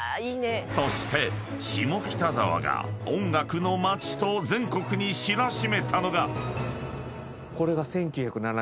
［そして下北沢が音楽の街と全国に知らしめたのが］これが。